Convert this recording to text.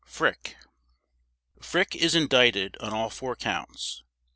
FRICK Frick is indicted on all four Counts.